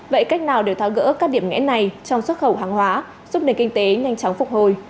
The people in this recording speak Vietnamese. vậy cách nào để tháo gỡ các điểm nghẽn này trong xuất khẩu hàng hóa giúp nền kinh tế nhanh chóng phục hồi